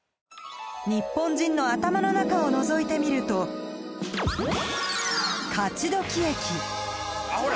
ニッポン人の頭の中をのぞいてみるとほら！